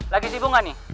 lagi sibuk gak nih